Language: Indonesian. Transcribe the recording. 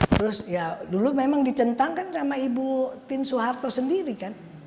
terus ya dulu memang dicentangkan sama ibu tin soeharto sendiri kan